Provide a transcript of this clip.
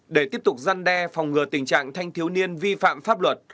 để tiếp tục gian đe phòng ngừa tình trạng thanh thiếu niên vi phạm pháp luật